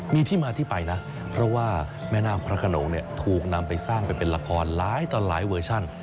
มีที่มาที่ไปนะเพราะว่าแม่นาคพระขนงถูกนำไปสร้างไปเป็นละครหลายต่อหลายเวอร์ชัน